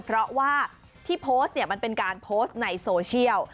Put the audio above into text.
เพราะว่าที่โพสต์เนี่ยมันเป็นการโพสต์ในโซเชียล